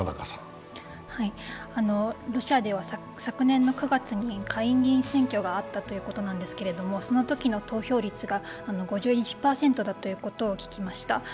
ロシアでは昨年の９月に下院議員選挙があったということなんですけれども、そのときの投票率が５１％だということを聞きました。